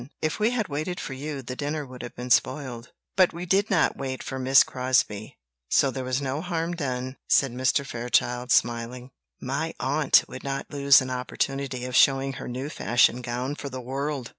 If we had waited for you, the dinner would have been spoiled." "But we did not wait for Miss Crosbie, so there was no harm done," said Mr. Fairchild, smiling. "My aunt would not lose an opportunity of showing her new fashioned gown for the world!"